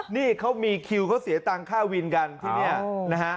นี่เขามีคิวเขาเสียตังค่าวินกันที่นี่นะฮะ